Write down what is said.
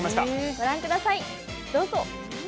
ご覧ください、どうぞ。